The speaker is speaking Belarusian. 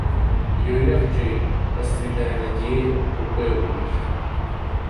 Ёй лягчэй, расцвітае надзея, упэўненасць.